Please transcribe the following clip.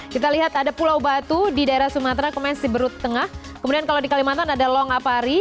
kita lihat ada pulau batu di daerah sumatera kemudian siberut tengah kemudian kalau di kalimantan ada long apari